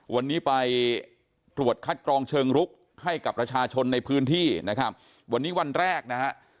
วันนี้ไปตรวจคัดกรองเชิงรุกให้กับประชาชนในพื้นที่นะครับวันนี้วันแรกนะฮะ